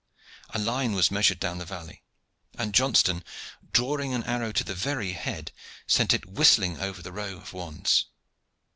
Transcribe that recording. A line was measured down the valley, and Johnston, drawing an arrow to the very head, sent it whistling over the row of wands.